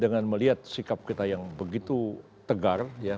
dengan melihat sikap kita yang begitu tegar